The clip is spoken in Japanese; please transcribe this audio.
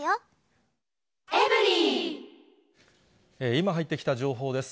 今入ってきた情報です。